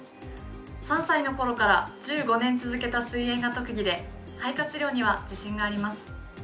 ３歳のころから１５年続けた水泳が特技で肺活量には自信があります。